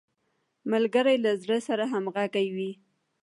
ملګری له زړه سره همږغی وي